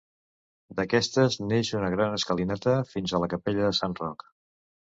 D'aquestes neix una gran escalinata fins a la capella de Sant Roc.